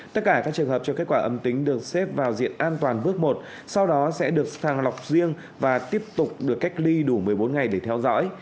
tất cả các trường hợp cho kết quả âm tính được xếp vào diện an toàn bước một sau đó sẽ được sàng lọc riêng và tiếp tục được cách ly đủ một mươi bốn ngày để theo dõi